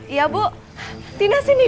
ya pertama kekasih